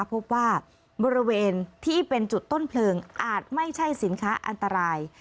พบว่าบริเวณที่เป็นจุดต้นเพลิงอาจไม่ใช่สินค้าอันตราย